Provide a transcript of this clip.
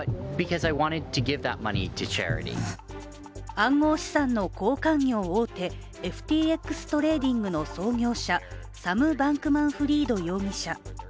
暗号資産の交換業大手、ＦＴＸトレーディングの創業者、サム・バンクマンフリード容疑者。